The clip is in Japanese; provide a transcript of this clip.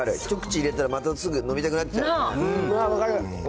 一口入れたら、またすぐ飲みたくなっちゃう。